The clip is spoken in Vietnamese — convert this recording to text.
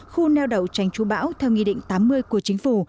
khu neo đậu tránh chú bão theo nghị định tám mươi của chính phủ